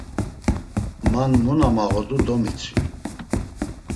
Man mu na mağodu domitzvi.